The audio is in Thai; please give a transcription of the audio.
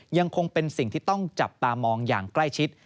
ยังคงเป็นสิ่งที่ต้องจับตามองอย่างใกล้ชิด